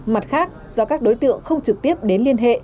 mặt khác do các đối tượng không trực tiếp đến liên hệ